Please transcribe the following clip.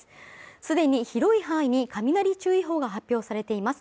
既に広い範囲に雷注意報が発表されています。